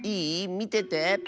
みてて。